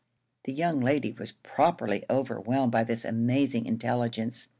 The young lady was properly overwhelmed by this amazing intelligence.